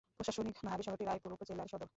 প্রশাসনিকভাবে শহরটি রায়পুর উপজেলার সদর।